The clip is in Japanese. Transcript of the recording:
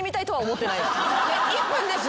１分です。